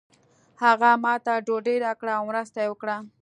هغه ماته ډوډۍ راکړه او مرسته یې وکړه.